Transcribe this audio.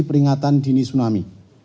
peringatan dini tsunami